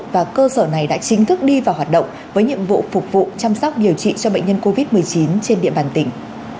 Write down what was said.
và cơ sở này đã chính thức đi vào hoạt động với nhiệm vụ phục vụ chăm sóc điều trị cho bệnh nhân covid một mươi chín trên địa bàn tỉnh